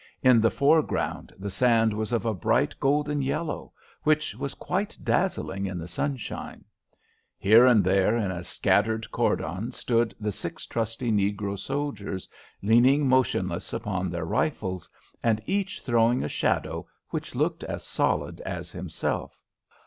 In the foreground the sand was of a bright golden yellow, which was quite dazzling in the sunshine. Here and there in a scattered cordon stood the six trusty negro soldiers leaning motionless upon their rifles, and each throwing a shadow which looked as solid as himself.